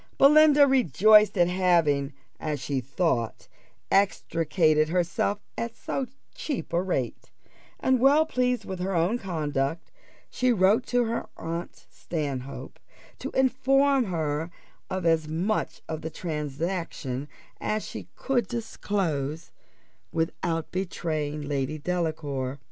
Belinda rejoiced at having, as she thought, extricated herself at so cheap a rate; and well pleased with her own conduct, she wrote to her aunt Stanhope, to inform her of as much of the transaction as she could disclose, without betraying Lady Delacour.